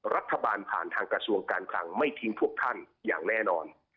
รัฐบาลผ่านทางกระทรวงการคลังไม่ทิ้งพวกท่านอย่างแน่นอน